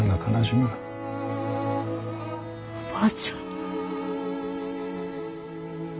おばあちゃん。